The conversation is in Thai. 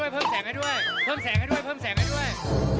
เพิ่มแสงให้ด้วย